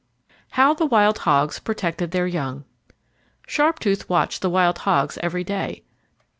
How the Wild Hogs Protected their Young Sharptooth watched the wild hogs every day.